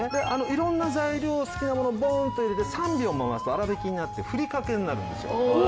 色んな材料好きなものボーンと入れて３秒回すと粗びきになってふりかけになるんですよ。